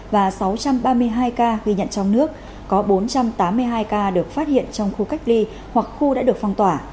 và sáu trăm ba mươi hai ca ghi nhận trong nước có bốn trăm tám mươi hai ca được phát hiện trong khu cách ly hoặc khu đã được phong tỏa